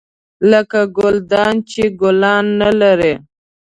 لکه ګلدان چې ګلان نه لري .